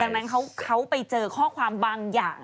ดังนั้นเขาไปเจอข้อความบางอย่าง